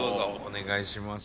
お願いします。